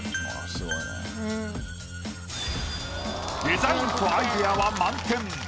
デザインとアイデアは満点。